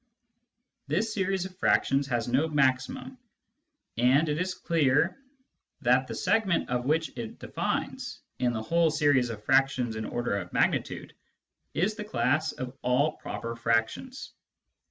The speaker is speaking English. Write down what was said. This series of fractions has no maximum, and it is clear that the segment which it defines (in the whole series of fractions in order of magnitude) is the class of all proper fractions.